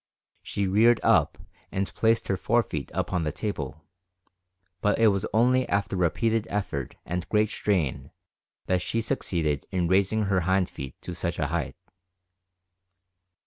She reared up and placed her fore feet upon the table, but it was only after repeated effort and great strain that she succeeded in raising her hind feet to such a height.